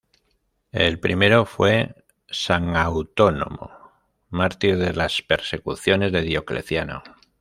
El primero fue San Autónomo, mártir de las persecuciones de Diocleciano.